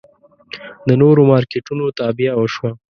د نورو مارکېټونو تابیا وشوه.